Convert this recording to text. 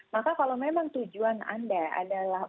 maka kalau memang tujuan anda adalah